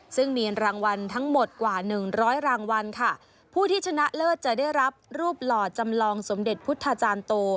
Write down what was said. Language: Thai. ซึ่งมีรางวัลทั้งหมดกว่าหนึ่งร้อยรางวัลค่ะผู้ที่ชนะเลิศจะได้รับรูปหล่อจำลองสมเด็จพุทธาจารย์โต